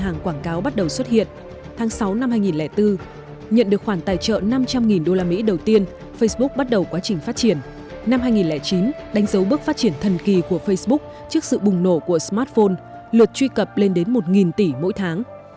năm hai nghìn chín đánh dấu bước phát triển thần kỳ của facebook trước sự bùng nổ của smartphone luật truy cập lên đến một tỷ mỗi tháng